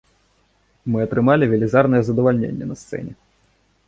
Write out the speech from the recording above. Мы атрымалі велізарнае задавальненне на сцэне.